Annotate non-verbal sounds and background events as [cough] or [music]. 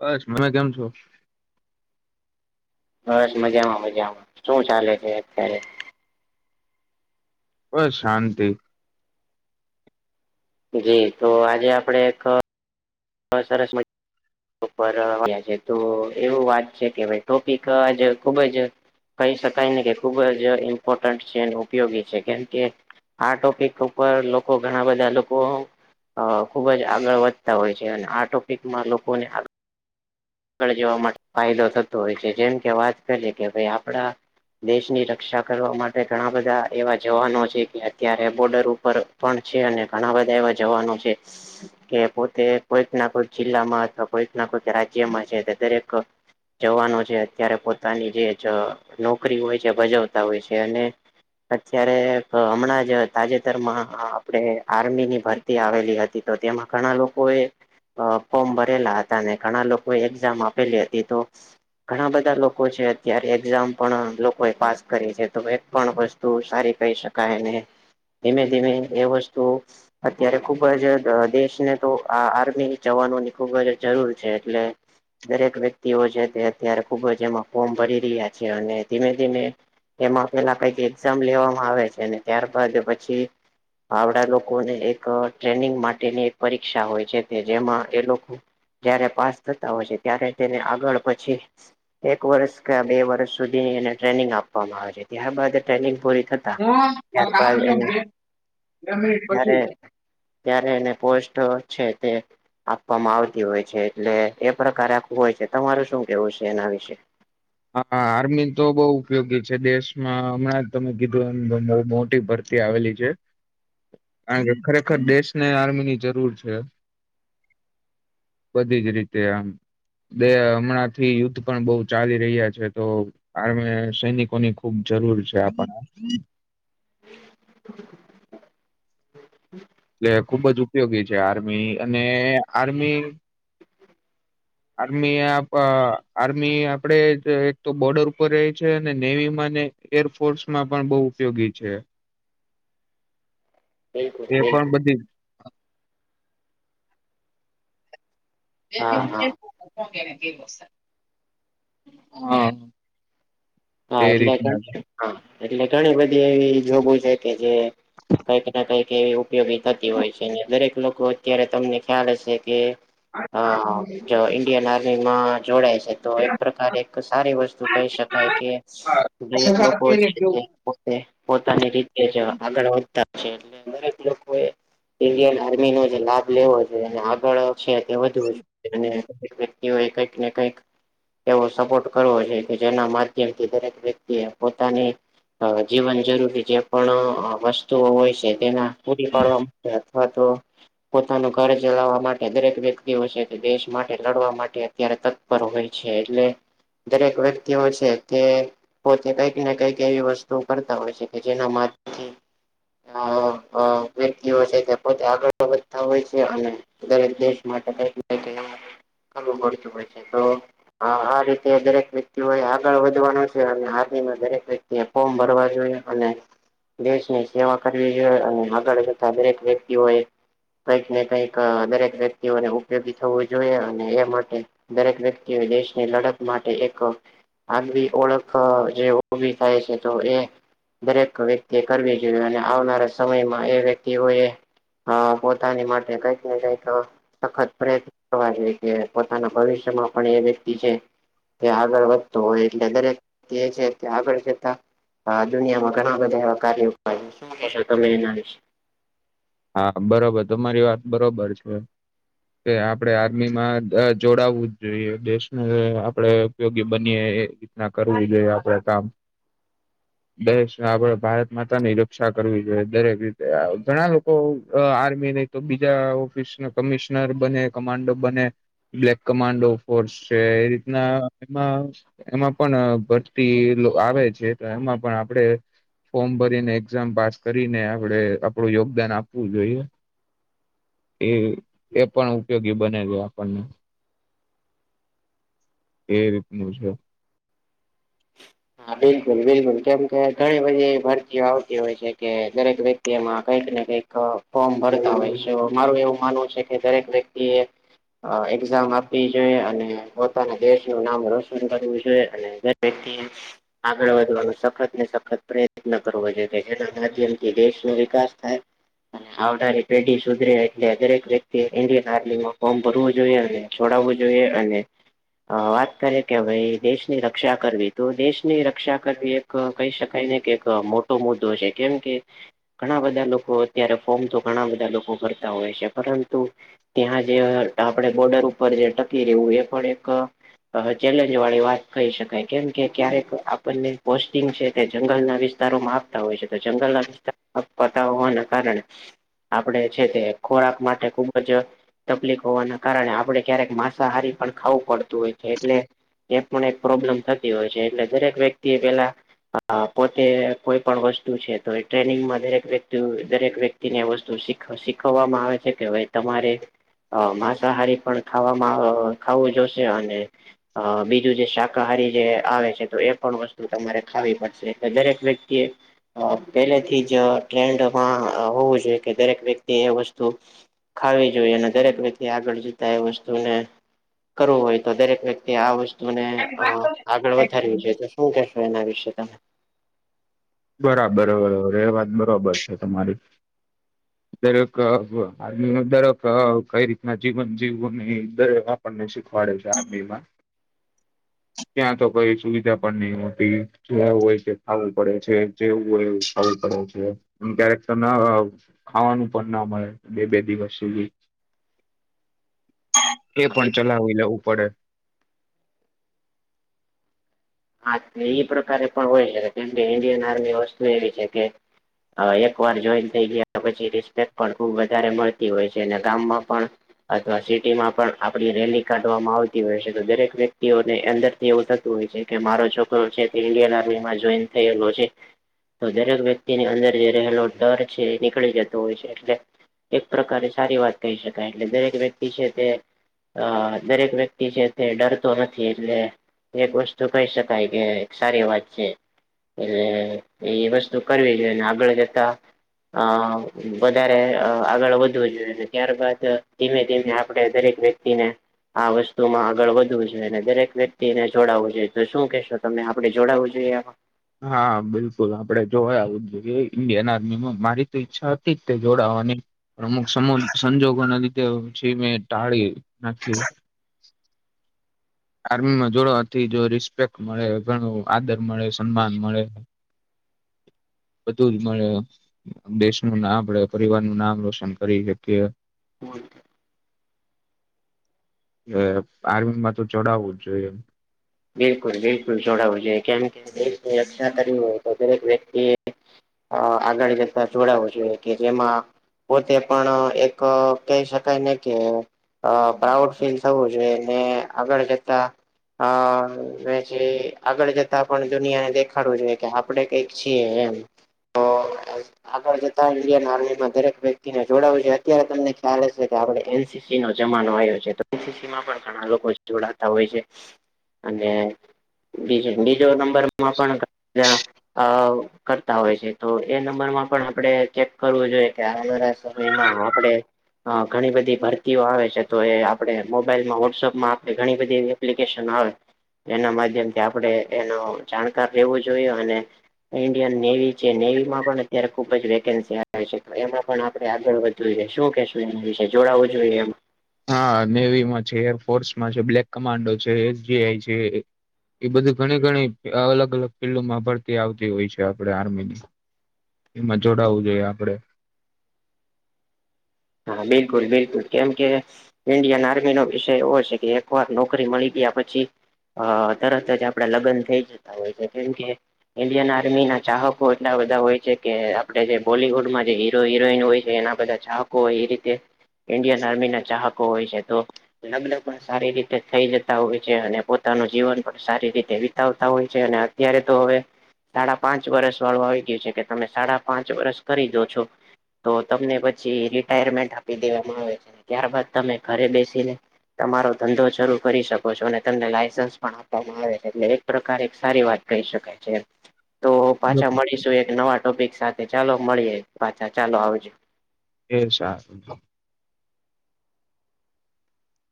બસ. મને કેમ છો? બસ મજામાં મજામાં શું ચાલે છે, અત્યારે બસ શાંતિ, જીતો આજે આપડે એક હા સરસ મજા ‌. બપોરે આવ્યા છે, તો એવું વાત છે, કે ટોપિક આજ ખુબ જ કહી શકાય ને કે ખુબ જ ઇમ્પોર્ટન્ટ છે, ઉપયોગી છે, કેમ કે આ ટોપિક ઉપર લોકો ઘણા બધા લોકો અ ખુબ જ આગળ વધતા હોય આ ટોપિકમાં લોકોને આગળ જવા માટે ફાયદો થતો હોય છે, જેમ કે વાત કરીએ કે ભાઈ આપડા. દેશની રક્ષા કરવા માટે ઘણા બધા એવા જવાનો છે, કે અત્યારે બોર્ડર ઉપર પણ છે, અને ઘણા બધા એવા જવાનો છે. કે પોતે કોઈક ના કોઈક જિલ્લામાં અથવા કોઈક ના કોઈક રાજ્યમાં છે, દરેક જવાનો છે અત્યારે પોતાની જે નોકરી હોય છે ભજવતા હોય છે અને અત્યારે હમણાં જ તાજેતરમાં આપડે આર્મીની ભરતી આવેલી હતી તો તેમાં ઘણા લોકો એ અ ફોર્મ ભરેલા હતા અને ઘણા લોકો કોઈ એક્ઝામ આપેલી હતી તો ઘણા બધા લોકો છે અત્યારે એક્ઝામ પણ લોકોએ પાસ કરી છે તો એક પણ તો સારી કહી શકાયને ધીમેધીમે એ વસ્તુ અત્યારે ખુબ જ દેશને તો આ આર્મી જવાનોની ખુબ જ જરૂર છે એટલે દરેક વ્યક્તિઓ છે તે અત્યારે ખુબ જ એમાં ફોર્મ ભરી રહ્યા છે અને ધીમે ધીમે એમાં પેલા કઈક એક્ઝામ લેવામાં આવે છે ને ત્યારબાદ પછી આવડા લોકોને એક ટ્રેનિંગ માટેની એક પરીક્ષા હોય છે જેમાં એ લોકો જયારે પાસ થતા હોય છે ત્યારે તેને આગળ પછી એક વર્ષ કે બે વર્ષ સુધી એને ટ્રેનિંગ આપવામાં આવે છે ત્યારબાદ ટ્રેનિંગ પૂરી થતી હું ત્યાર કામ બાદ છે એને બે બે મિનિટ પછી. [unintelligible] ત્યારે એને પોસ્ટ છે તે આપવામાં આવતી હોય છે એટલે એ પ્રકારે આખું હોય છે તમારું શું કેવું છે એના વિશે હા આર્મી તો બહુ ઉપયોગી છે દેશમાં હમણાં જ તમે કીધું એ બહુ મોટી ભર આવેલી છે. કારણ કે ખરેખર દેશ ને આર્મી ની જરૂર છે. બધી જ રીતે આમ બે હમણાં થી યુદ્ધ પણ બહુ ચાલી રહ્યા છે તો આમી સૈનિકો ની ખુબ જરૂર છે આપને એટલે ખુબ જ ઉપયોગી છે આર્મી અને આર્મી આર્મી આપ આર્મી આપડે એક તો બોર્ડર ઉપર રહી છે અને નેવીમાં ને એરફોર્સમાં પણ બહુ ઉપયોગી છે. બિલકુલ પણ બિલકુલ. બધી હા હા [unintelligible] હા. એ હા એટલે કેન રીતના છે એટલે ઘણી બધી એવી જો [unintelligible] કે જે કઈક ના કઈક એવી ઉપયોગી થતી હોય છે દરેક લોકો અત્યારે તમને ખ્યાલ હશે કે અ હું કેવાય ઇન્ડિયન આર્મી માં જોડાય છે. તો એક પ્રકારે એક સારી વસ્તુ કહી શકાય કે ગરીબ લોકો છે. પોતે પોતાની રીતે જ છે આગળ વધતા છે. એટલે દરેક લોકો એ ઇન્ડિયન આર્મીનો જે લાભ લેવો જોઈએ અને આગળ છે તે વધવો જોઈએ અને દરેક વ્યતિઓ કઈક ને કઈક એવો સપોર્ટ કરવો છે કે જેના મા જેમથી દરેક વ્યક્તિએ પોતાની હવે જીવન જરૂરી જે પણ વસ્તુઓ હોય છે તેના પૂરી પાડવા માટે હા તો પોતાનું ઘર ચલાવવા માટે દરેક વ્યક્તિઓ છે, તે દેશ માટે લડવા માટે અત્યારે તક પર હોય છે, એટલે દરેક વ્યક્તિયો છે. તે પોતે કઈકને કંઈક એવી વસ્તુ કરતા હોય છે કે જેના માથી આ અ વ્યક્તિઓ છે તે પોતે આગળ વધતા હોય છે અને દરેક દેશ માટે [unintelligible] કરવું પડતું હોય છે, તો આ આ રીતે દરેક વ્યક્તિઓ એ તા વધવાનું છે, અને આર્મીમાં દરેક વ્યક્તિ એ ફોર્મ ભરવા જોઈએ અને દેશની સેવા કરવી જોઈએ, અને આગળ જતા દરેક વ્યક્તિઓ એ કંઈક ને કઈક દરેક વ્યક્તિઓને ઉપયોગી થવું જોઈએ, અને એ માટે દરેક વ્યક્તિઓ એ દેશની લડત માટે એક આગવી ઓળખ જે ઉભી થાય છે તો એ દરેક વ્યક્તિ એ કરવી જોઈએ, અને આવનારા સમયમાં એ વ્યક્તિઓએ હા પોતાની માટે કઈક ને કંઈક સખત પ્રયત્ન કરવા જોઈએ. કે પોતાના ભવિષ્યમાં પણ એ વ્યક્તિ જે તે આગળ વધતો હોય. એટલે દરેક જે છે તે આગળ જતા આ દુનિયામાં ઘણાં બધા એવા કાર્યો થાય, શું કેશો તમે એના વિશે? હા, બરોબર તમારી વાત બરોબર છે. કે આપણે આર્મીમાં જોડાવવું જ જોઈએ. દેશને આપણેે ઉપયોગી બનીએ એ રીતના કરવું જોઈએ આપડે કામ. દેશ ને આપણે ભારત માતાની રક્ષા કરવી જોઈએ, દરેક રીતે આ ઘણા લો કો અ આર્મી નહીં તો બીજા ઓફિસના કમિશનર બને કમાન્ડો બને બ્લેક કમાન્ડો ફોર્સ છે. એ રીતના એમાં એમાં પણ અ ભરતી આવે છે. તો એમાં પણ આપણેે ફોમ ભરીને એક્ઝામ પાસ કરીને આપડે આપડું યોગદાન આપ વુ જોઈએ. એ એ પણ ઉપયોગી બને છે આપણને. એ રીતનું છે. હા બિલકુલ બિલકુલ, કેમ કે ઘણી બધી ભરતીઓ આવતી હોય છે, કે દરેક વ્યક્તિ તેમાં કંઈક ને કંઈક ફોર્મ ભરતા હોય છે. મારું એવું માનવું છે કે દરેક વ્યક્તિએ અ એક્ઝામ આપવી જોઈએ. અને પોતાના દેશનું નામ રોશન કરવું જોઈએ. અને વ્યક્તિએ આગળ વધવાનો સખત ને સખત પ્રયત્ન કરવો જોઈએ. જેના માધ્યમથી દેશનો વિકાસ થાય. અને આવનારી પેઢી સુધરે એટલે દરેક વ્યક્તિએ ઈન્ડિયન આર્મીમાં ફોર્મ ભરવું જોઈએ. અને છોડાવવું જોઈએ, અને અ વાત કરીએ કે ભાઈ દેશની રક્ષા કરવી તો દેશ ની રક્ષા કરવી એક કહી શકાય ને કે એક મોટો મુદ્દો છે, કેમ કે ઘણાં બધા લોકો અત્યારે ફોર્મતો ઘણાં બધા લોકો ભરતા હોય છે, પરંતુ ત્યાં જે આપણે બોર્ડર ઉપર જે ટકી રહેવું‌ એ પણ એક અહ ચેલેન્જ વાળી વાત કહી શકાય. કેમ કે ક્યારેક આપણને પોસ્ટિંગ છે તે જંગલના વિસ્તારોમાં આપતા હોય છે. તો જંગલના વિસ્તાર [unintelligible] હોવાના કારણે આપણે છે તે ખોરાક માટે ખુબ જ તકલીફ હોવાના કારણે આપડે ક્યારેક માંસાહારી પણ ખાવું પડતું હોય છે, એટલે એ પણ એક પ્રોબ્લેમ થતી હોય છે, એટલે દરેક વ્યક્તિએ પેલા અ પોતે કોઈ પણ વસ્તુ છે તો એ ટ્રેનિંગમાં દરેક વ્યક્તિએ દરેક વ્યક્તિ તી ને વસ્તુ શીખ શીખવવામાં આવે છે કે અવે તમારે અ માંસાહારી પણ ખાવામાં ખાવું જોશે અને અ બીજું જે શાકાહારી જે આવે છે. તો એ પણ વસ્તુ તમારે ખાવી પડશે. એટલે દરેક વ્યક્તિએ અ પેલેથી જ ટ્રેન્ડમાં હોવું જોઈએ કે દરેક વ્યક્તિએ એ વસ્તુ ખાવી જોઈએ. અને દરેક વ્યક્તિએ આગળ જતા એ વસ્તુને કરવું હોય તો દરેક વ્યક્તિએ આ વસ્તુને અ આગળ વધ તો શું કેશો એના વિશે તમે? બરાબર એ વાત બરોબર છે તમારી. દરેક આમ દરેક કઈ રીતના જીવન જીવવું ને [unintelligible] આપણને શીખવાડે છે આ [unintelligible] ત્યાં તો કઈ સુવિધા પણ નઈ હોતી. જેવું હોય તે ખાવું પડે. છે જેવું હોય એવું ખાવું પડે છે. એમ ક્યારેક તમે [inaudible] ખાવાનું પણ ના મળે બે બે દિવસ સુધી. એ પણ ચલાવી લેવું પડે. હા એ પ્રકારે પણ હોય છે. કેમકે ઈન્ડિયન આર્મી વસ્તુ એવી છે કે અ એકવાર જોઈન થઈ ગયા પછી રિસ્પેકટ પણ ખુબ વધારે મળતી હોય છે. અને ગામમાં પણ અથવા સિટીમાં પણ આપડી રેલી કાઢવામાં આવતી હોય છે. તો દરેક વ્યક્તિઓને અંદરથી એવું થતું હોય છે. કે મારો છોકરો છે તે ઈન્ડિયન આર્મીમાં જોઈન થયેલો છે. તો દરેક વ્યક્તિની અંદર જે રહેલો ડર છે એ નીકળી જતો હોય છે. એટલે એક પ્રકારે સારી વાત કહી શકાય એટલે દરેક વ્યક્તિ છે તે અ દરેક વ્યક્તિ છે તે ડરતો નથી એટલે એક વસ્ તું કહી શકાય કે એક સારી વાત છે. એટલે એ વસ્તુ કરવી જોઈએ ને આગળ જતા અ વધારે આગળ વધવું જોઈએ ને ત્યારબાદ ધીમે ધીમે આપણે દરેક વ્યક્ તિને આ વસ્તુમાં આગળ વધવું જોઈએ. અને દરેક વ્યક્તિને જોડાવું જોઈએ. તો શું કહેશો તમે આપણે જોડાવું જોઈએ આમાં? હા બિલકુલ આપણે જોડાવું જ જોઈએ ઇન્ડિયન આર્મી માં. મારી તો ઈચ્છા હતી જ તે જોડાવાની પણ અમુક સમ સંજોગોના લીધે પછી મે ટાળી નાખ્યું. આર્મીમાં જોડવાથી જો રિસ્પેક્ટ મળે, ઘણું આદર મળે, સન્માન મળે. બધું જ મળે. દેશનું ને આપણે પરિવારનું નામ રોશન કરી શકીએ. હમ ને આર્મીમાં તો જોડાવું જ જોઈએ. બિલકુલ બિલકુલ જોડાવું જોઈએ. કેમ કે દેશને રક્ષા કરવી હોય તો દરેક વ્યક્તિએ અ આગળ જતા જોડાવું જોઈએ કે જેમાં પોતે પણ એક કહી શકાય ને કે અ પ્રાઉડ ફીલ થવું જોઈએ ને આગળ જતા અ ને જે આગળ જતા પણ દુનિયાને દેખાડવું જોઈએ કે આપડે કઈક છીએ એમ. તો [inaudible] આગળ જતા ઈન્ડિયન આર્મીમાં દરેક વ્યક્તિને જોડાવું છે. અત્યારે તમને ખ્યાલ હશે કે આપણે એનસી સી નો જમાનો આવ્યો છે તો એનસીસીમાં પણ ઘણા લોકો જોડાતા હોય છે. અને બીજું બીજો નંબરમાં પણ ઘણા અ કરતા હોય છે તો એ નંબરમાં પણ આપણે ચેક કરવું જોઈએ કે આ [inaudible] સમયમાં આપડે અ ઘણી બધી ભરતીઓ આવે છે તો એ આપણે મોબાઈલમાં વોટ્સઅપમાં આપણે ઘણી બધી એપ્લિકેશન આવે. એના માધ્યમથી આપણેે એનો જાણકાર લેવું જોઈએ, અને- ઈન્ડિયન નેવી છે, નેવીમાં પણ અત્યારે ખુબ જ વેકેન્સી આવે છે એમાં પણ આપડે આગળ વધ- જોઈએ, શું કેશું એના વિશે જોડાવું જોઈએ એમ- હા નેવીમાં છે, એરફોર્સ માં છે, બ્લેક કમાન્ડો છે, એસ જેઆઈ છે. એ બધી ઘણી ઘણી અલગ અલગ ફિલ્ડમાં ભરતી આવતી હોય છે. આપણે આર્મી ની- એમાં જોડાવું જોઈએ આપડે. હા બિલકુલ બિલકુલ કેમ કે - ઈન્ડિયન આર્મી નો વિષય એવો છે, કે એક વાર નોકરી મળી ગયા પછી - તરત જ આપડા લગ્ન થઈ જતા હોય છે જેમ કે- ઇન્ડિયન આર્મી ના ચાહકો એટલા બધા હોય છે, કે આપડે જે બોલીવુડમાં જે હીરો હિરોઈન હોય છે એના- બધા ચાહકો હોય, એ રીતે ઇન્ડિયન આર્મી ના ચાહકો હોય છે તો- લગ્ન પણ સારી રીતે થઈ જતા હોય છે. અને પોતાનું જીવન પણ સારી રીતે વિતાવતા હોય છે. અને- અત્યારે તો હવે સાડા પાંચ વરસ વાળું આવી ગયું છે, કે તમે સાડા પાંચ વરસ કરી દો છો- -તો તમને પછી રિટાયરમેન્ટ આપી દેવામાં આવે છે. ત્યારબાદ તમે ઘરે બેસી ને -- તમારો ધંધો શરૂ કરી શકો છો. અને તમને લાયસન્સ પણ આપવામાં આવે છે. એટલે - - પ્રકાર એક સારી વાત કહી શકાય છે. તો પાછા મળીશું એક નવા ટોપિક સાથે. ચાલો મળીએ પાછા ચાલો આવજે. એ છે.